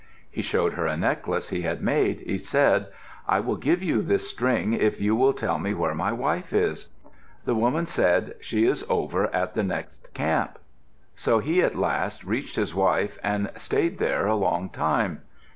He showed her a necklace he had made. He said, "I will give you this string if you will tell me where my wife is." The woman said, "She is over at the next camp." So he at last reached his wife and stayed there a long time.